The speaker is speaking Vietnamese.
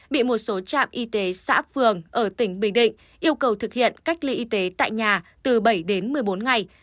bị một số trạm y tế xã phường ở tỉnh bình định yêu cầu thực hiện cách ly y tế tại nhà từ bảy đến một mươi bốn ngày